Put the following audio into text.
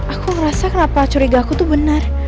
aku ngerasa kenapa curiga aku tuh benar